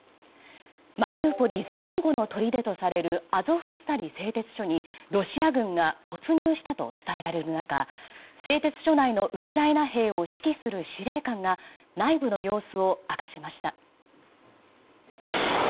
マリウポリ最後のとりでとされるアゾフスタリ製鉄所にロシア軍が突入したと伝えられる中製鉄所内のウクライナ兵を指揮する司令官が内部の様子を明かしました。